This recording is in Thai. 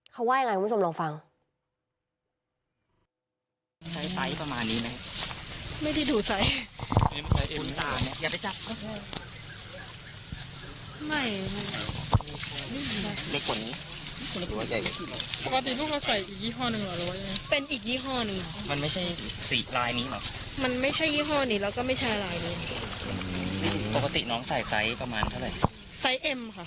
เขาว่ายังไงคุณผู้ชมลองฟัง